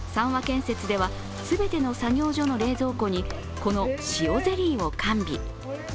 建設では全ての作業所の冷蔵庫にこのしおゼリーを完備。